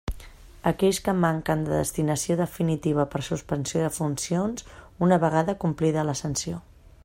Aquells que manquen de destinació definitiva per suspensió de funcions, una vegada complida la sanció.